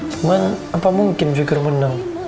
cuman apa mungkin figure menang